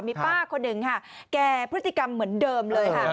มีป้าคนหนึ่งค่ะแก่พฤติกรรมเหมือนเดิมเลยค่ะ